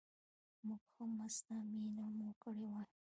موږ ښه مسته مېله مو کړې وای.